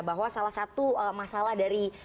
bahwa salah satu masalah dari